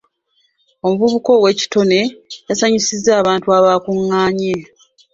Omuvubuka ow'ekitone yasanyusizza abantu abaakungaanye.